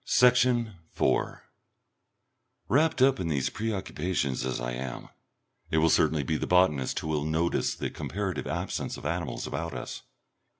Section 4 Wrapped up in these preoccupations as I am, it will certainly be the botanist who will notice the comparative absence of animals about us.